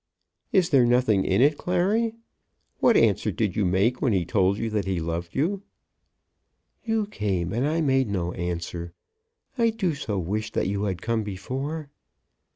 "Is there nothing in it, Clary? What answer did you make when he told you that he loved you?" "You came, and I made no answer. I do so wish that you had come before."